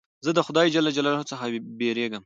زه د خدای جل جلاله څخه بېرېږم.